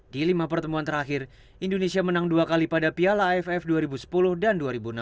di lima pertemuan terakhir indonesia menang dua kali pada piala aff dua ribu sepuluh dan dua ribu enam belas